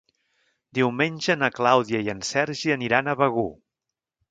Diumenge na Clàudia i en Sergi aniran a Begur.